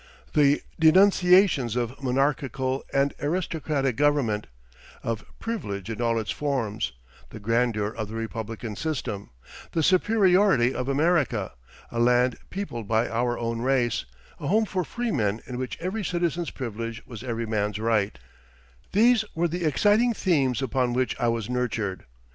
The denunciations of monarchical and aristocratic government, of privilege in all its forms, the grandeur of the republican system, the superiority of America, a land peopled by our own race, a home for freemen in which every citizen's privilege was every man's right these were the exciting themes upon which I was nurtured.